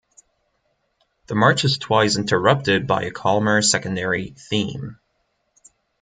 The march is twice interrupted by a calmer secondary theme.